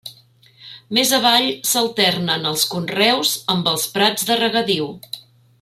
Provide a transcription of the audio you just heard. Més avall s'alternen els conreus amb els prats de regadiu.